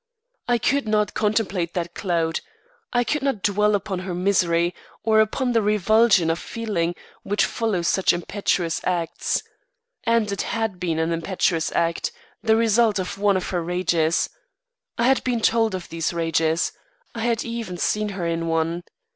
I could not contemplate that cloud. I could not dwell upon her misery, or upon the revulsion of feeling which follows such impetuous acts. And it had been an impetuous act the result of one of her rages. I had been told of these rages. I had even seen her in one.